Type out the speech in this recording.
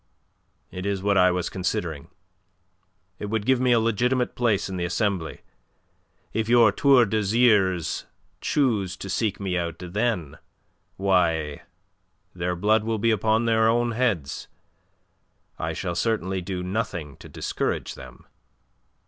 "It is what I was considering. It would give me a legitimate place in the Assembly. If your Tour d'Azyrs choose to seek me out then, why, their blood be upon their own heads. I shall certainly do nothing to discourage them."